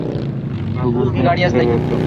ছেলেগুলোকে নিয়ে কোথায় যাচ্ছিস?